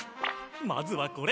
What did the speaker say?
まずはこれ。